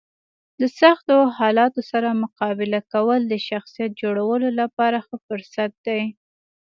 د سختو حالاتو سره مقابله کول د شخصیت جوړولو لپاره ښه فرصت دی.